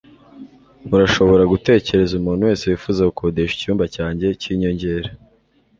Urashobora gutekereza umuntu wese wifuza gukodesha icyumba cyanjye cyinyongera?